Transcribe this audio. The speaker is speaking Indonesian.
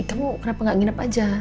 kamu kenapa gak nginep aja